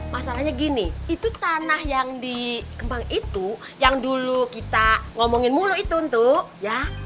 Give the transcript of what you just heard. masalahnya gini itu tanah yang dikembang itu yang dulu kita ngomongin mulu itu untuk ya